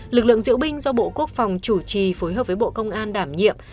lực lượng diễu binh do bộ quốc phòng chủ trì phối hợp với bộ công an đảm nhiệm